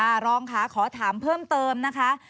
รองค่ะขอถามเพิ่มเติมนะคะ